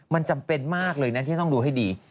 มันจำเป็นมากเลยนะที่จะต้องดูให้ดี